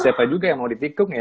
siapa juga yang mau di tikung ya